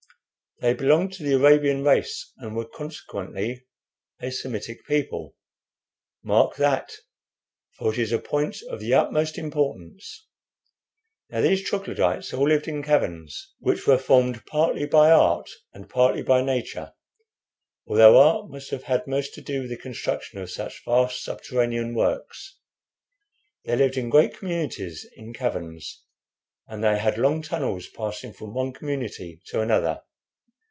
They belonged to the Arabian race, and were consequently a Semitic people. Mark that, for it is a point of the utmost importance. Now, these Troglodytes all lived in caverns, which were formed partly by art and partly by nature, although art must have had most to do with the construction of such vast subterranean works. They lived in great communities in caverns, and they had long tunnels passing from one community to another.